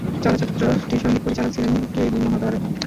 চলচ্চিত্রটির সঙ্গীত পরিচালক ছিলেন কে ভি মহাদেব।